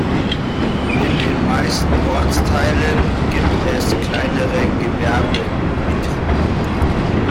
In den meisten Ortsteilen gibt es kleinere Gewerbebetriebe.